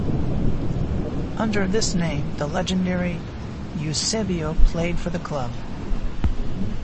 Under this name, the legendary Eusébio played for the club.